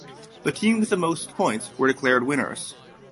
The team with the most points were declared winners.